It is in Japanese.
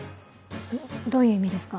どういう意味ですか？